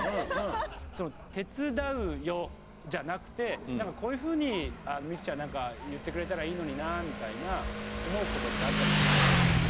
「手伝うよ」じゃなくて何かこういうふうにみきちゃん何か言ってくれたらいいのになみたいな思うことってあったりしますか？